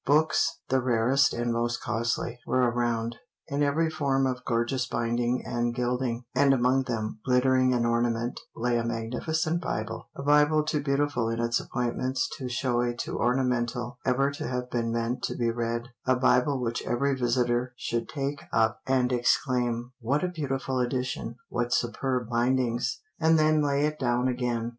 Books, the rarest and most costly, were around, in every form of gorgeous binding and gilding, and among them, glittering in ornament, lay a magnificent Bible a Bible too beautiful in its appointments, too showy, too ornamental, ever to have been meant to be read a Bible which every visitor should take up and exclaim, "What a beautiful edition! what superb bindings!" and then lay it down again.